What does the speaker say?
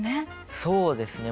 そうですね。